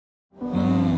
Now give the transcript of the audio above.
うん。